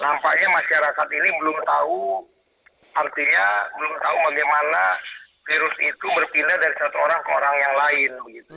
nampaknya masyarakat ini belum tahu artinya belum tahu bagaimana virus itu berpindah dari satu orang ke orang yang lain